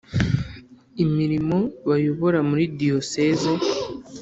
imirimo bayobora muri Diyoseze